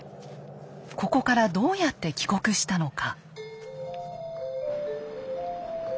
ここからどうやって帰国したのか。